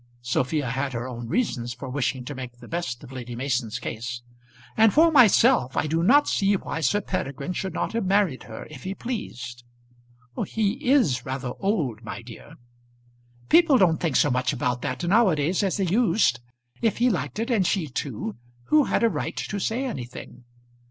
Sophia had her own reasons for wishing to make the best of Lady Mason's case. "And for myself I do not see why Sir Peregrine should not have married her if he pleased." "He is rather old, my dear." "People don't think so much about that now a days as they used. If he liked it, and she too, who had a right to say anything?